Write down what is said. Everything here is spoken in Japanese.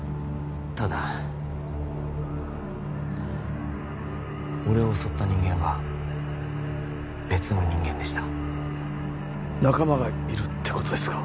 ただ俺を襲った人間は別の人間でした仲間がいるってことですか？